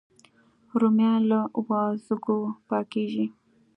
رومیان له وازګو پاکېږي